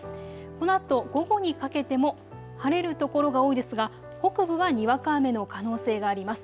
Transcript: このあと午後にかけても晴れる所が多いですが北部はにわか雨の可能性があります。